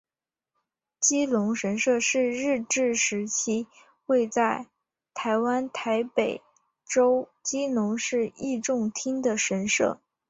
基隆神社是日治时期位在台湾台北州基隆市义重町的神社。